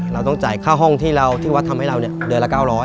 เราต้องจ่ายค่าห้องที่เราที่วัดทำให้เราเนี่ยเดือนละ๙๐๐